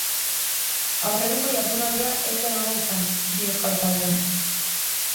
Aurreneko jardunaldia ez zen ona izan bi euskal taldeentzat.